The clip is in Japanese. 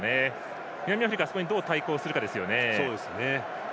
南アフリカはそこにどう対抗するかですよね。